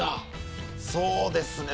そうですね。